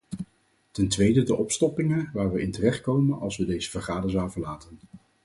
Ten tweede de opstoppingen waar we in terechtkomen als we deze vergaderzaal verlaten.